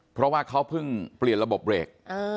เพราะว่าเขาเพิ่งเปลี่ยนระบบเบรก